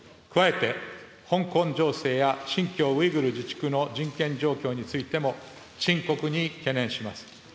加えて香港情勢や新疆ウイグル自治区の人権状況についても、深刻に懸念します。